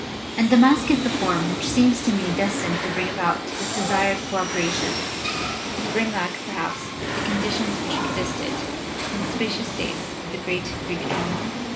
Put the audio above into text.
And the masque is the form which seems to me destined to bring about this desired co operation, to bring back, perhaps, the conditions which existed in the spacious days of the great Greek drama.